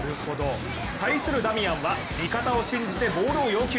対するダミアンは味方を信じてボールを要求。